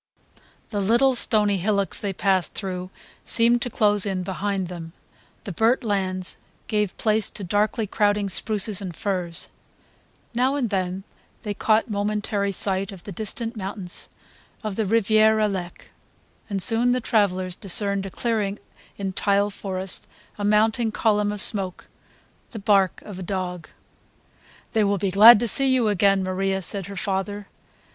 The little stony hillocks they passed through seemed to close in behind them; the burnt lands gave place to darkly crowding spruces and firs; now and then they caught momentary sight of the distant mountains on the Riviere Alec; and soon the travellers discerned a clearing in the forest, a mounting column of smoke, the bark of a dog. "They will be glad to see you again, Maria," said her father.